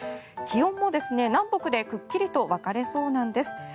気温も南北でくっきりと分かれそうなんです。